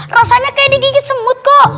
rasanya kayak digigit semut kok